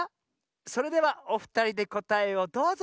それではおふたりでこたえをどうぞ。